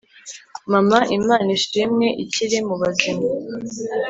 mama, imana ishimwe, ikiri mu bazima